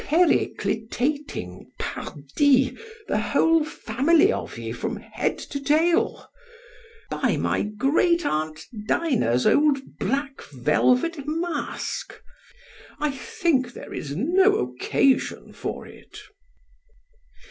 periclitating, pardi! the whole family of ye, from head to tail——By my great aunt Dinah's old black velvet mask! I think there is no occasion for it.